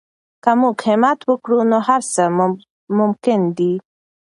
که موږ همت وکړو نو هر څه ممکن دي.